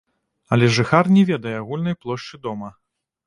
Але жыхар не ведае агульнай плошчы дома.